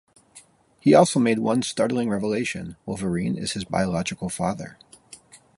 He also made one startling revelation: Wolverine is his biological father.